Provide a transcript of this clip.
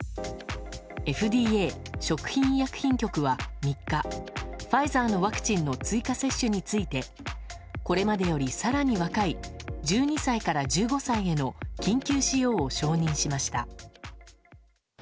ＦＤＡ・食品医薬品局は３日ファイザーのワクチンの追加接種についてこれまでより更に若い１２歳から１５歳への緊急使用を承認しました。